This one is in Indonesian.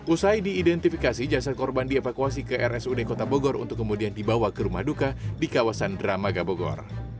usai diidentifikasi jasad korban dievakuasi ke rsud kota bogor untuk kemudian dibawa ke rumah duka di kawasan dramaga bogor